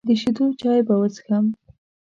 د شیدو چای به وڅښم.